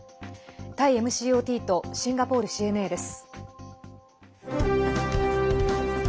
タイＭＣＯＴとシンガポールＣＮＡです。